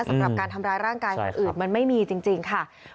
สำหรับการทำร้ายร่างกายคนอื่นมันไม่มีจริงค่ะ